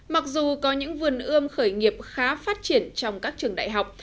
mặc dù có những vườn ươm khởi nghiệp khá phát triển trong các trường đại học